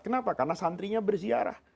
kenapa karena santrinya berziarah